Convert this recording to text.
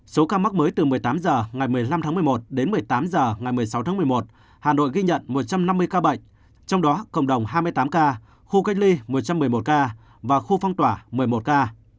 số ca mắc mới từ một mươi tám h ngày một mươi năm tháng một mươi một đến một mươi tám h ngày một mươi sáu tháng một mươi một hà nội ghi nhận một trăm năm mươi ca bệnh trong đó cộng đồng hai mươi tám ca khu cách ly một trăm một mươi một ca và khu phong tỏa một mươi một ca